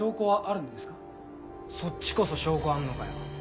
そっちこそ証拠あんのかよ。